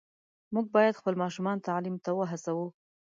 موږ باید خپل ماشومان تعلیم ته وهڅوو.